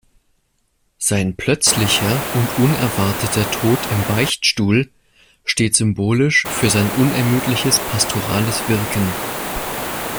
Sein plötzlicher und unerwarteter Tod im Beichtstuhl steht symbolisch für sein unermüdliches pastorales Wirken.